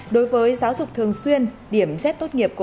đó là những thông tin rất cần thiết